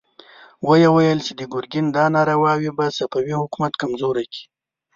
ويې ويل چې د ګرګين دا نارواوې به صفوي حکومت کمزوری کړي.